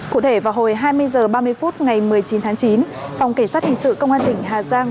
cụ thể vào hồi hai mươi h ba mươi phút ngày một mươi chín tháng chín phòng kỳ sát hình sự công an tỉnh hà giang